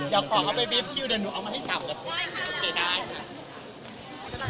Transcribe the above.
เดี๋ยวขอเขาไปบีบคิวเดี๋ยวหนูเอามาให้ถามกัน